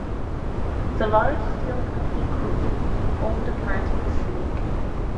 The large steel company Krupp owned a plant in the city.